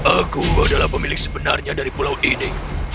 aku adalah pemilik sebenarnya dari pulau ini